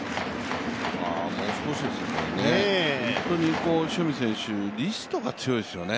本当に塩見選手、リストが強いですよね。